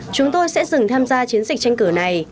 chúng tôi sẽ dừng tham gia chiến dịch tranh cử này